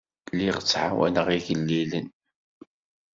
Lliɣ ttɛawaneɣ igellilen.